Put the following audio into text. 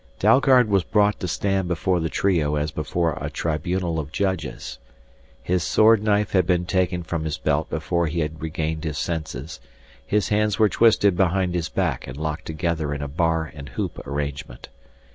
Dalgard was brought to stand before the trio as before a tribunal of judges. His sword knife had been taken from his belt before he had regained his senses, his hands were twisted behind his back and locked together in a bar and hoop arrangement.